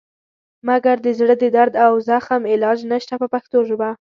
مګر د زړه د درد او زخم علاج نشته په پښتو ژبه.